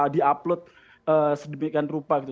di upload sedemikian rupa gitu